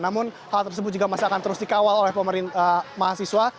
namun hal tersebut juga masih akan terus dikawal oleh mahasiswa